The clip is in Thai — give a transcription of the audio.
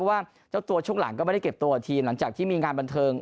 ว่าเจ้าตัวช่วงหลังก็ไม่ได้เก็บตัวกับทีมหลังจากที่มีงานบันเทิง